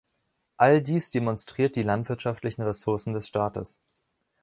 All dies demonstriert die landwirtschaftlichen Ressourcen des Staates.